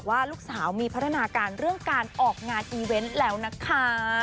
อาการเรื่องการออกงานอีเวนต์แล้วนะคะ